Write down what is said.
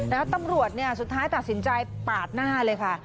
แล้วตำรวจเนี่ยสุดท้ายตัดสินใจปาดหน้าเลยค่ะ